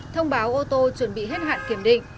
thông báo ô tô chuẩn bị hết hạn kiểm định